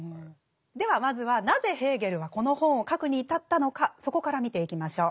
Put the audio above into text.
ではまずはなぜヘーゲルはこの本を書くに至ったのかそこから見ていきましょう。